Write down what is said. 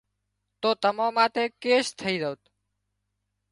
تو تمان ماٿي ڪيس ٿئي زوت